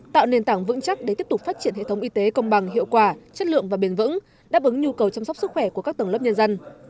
tạo nền tảng vững chắc để tiếp tục phát triển hệ thống y tế công bằng hiệu quả chất lượng và bền vững đáp ứng nhu cầu chăm sóc sức khỏe của các tầng lớp nhân dân